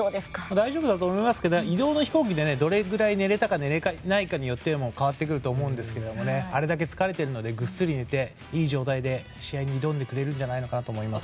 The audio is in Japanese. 大丈夫だと思いますが移動の飛行機でどれだけ寝れたかにも変わってくると思いますがあれだけ疲れてますからぐっすり寝ていい状態で試合に挑んでくれるんじゃないかと思います。